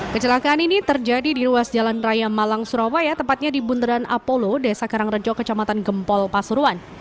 kecelakaan ini terjadi di ruas jalan raya malang surabaya tepatnya di bundaran apolo desa karangrejo kecamatan gempol pasuruan